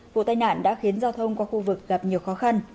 vụ tai nạn đã khiến giao thông qua khu vực gặp nhiều khó khăn